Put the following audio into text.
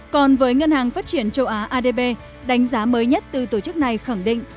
còn với ngân hàng phát triển châu á adb đánh giá mới nhất từ tổ chức này khẳng định